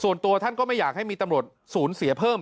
ส่วนตัวท่านก็ไม่อยากให้มีตำรวจศูนย์เสียเพิ่ม